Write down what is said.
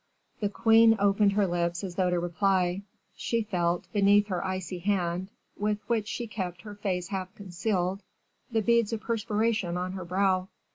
The queen opened her lips as though to reply; she felt, beneath her icy hand, with which she kept her face half concealed, the beads of perspiration on her brow.